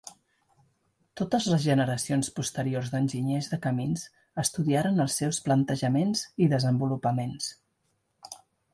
Totes les generacions posteriors d'enginyers de camins estudiaren els seus plantejaments i desenvolupaments.